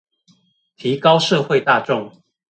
提高社會大眾